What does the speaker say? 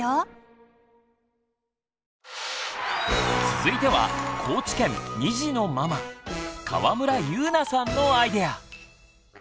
続いては高知県２児のママ川村祐奈さんのアイデア！